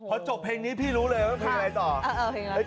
พอจบเพลงนี้พี่รู้เลยว่าเพลงอะไรต่อ